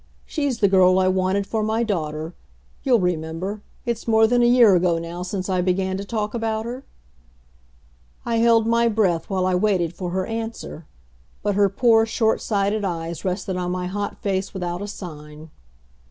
She's the girl I wanted for my daughter you'll remember, it's more than a year ago now since I began to talk about her?" I held my breath while I waited for her answer. But her poor, short sighted eyes rested on my hot face without a sign.